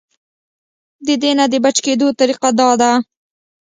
د دې نه د بچ کېدو طريقه دا ده -